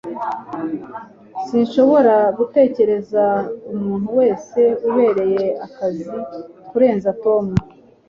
Sinshobora gutekereza umuntu wese ubereye akazi kurenza Tom